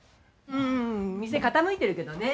うん店傾いてるけどね。